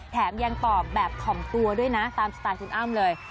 แถมยังตอบแบบถ่อมตัวด้วยนะตามสไตล์คุณอ้ำเลย